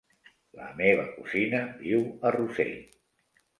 La meva cosina viu a Rossell.